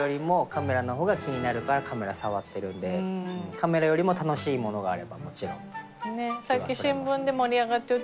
カメラよりも楽しいものがあればもちろん。